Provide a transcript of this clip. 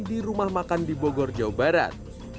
di rumah makan di bogor jawa barat